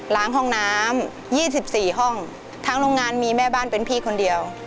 ล้างห้องน้ำ๒๔ห้องทั้งโรงงานมีแม่บ้านเป็นพี่คนเดียว